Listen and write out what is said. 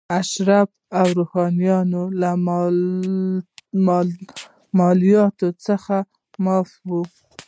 اشراف او روحانیون له مالیاتو څخه معاف وو.